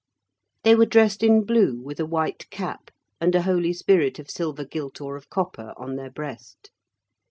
They were dressed in blue, with a white cap and a Holy Spirit of silver gilt or of copper on their breast.